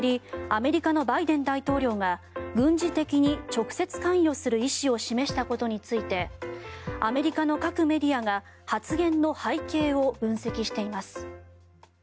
アメリカのバイデン大統領が軍事的に直接関与する意思を示したことについてアメリカの各メディアが発言の背景を分析しています。